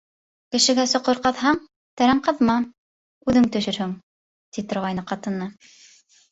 Кешегә соҡор ҡаҙһаң, тәрән ҡаҙма - үҙең төшөрһөң, ти торғайны ҡатыны.